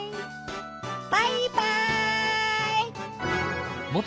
バイバイ。